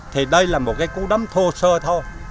thì đây là một cái cú đấm thô sơ thôi